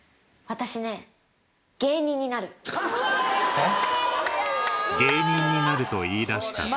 えっ。